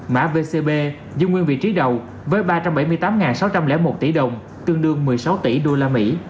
mã vcb dùng nguyên vị trí đầu với ba trăm bảy mươi tám sáu trăm linh một tỷ đồng tương đương một mươi sáu tỷ usd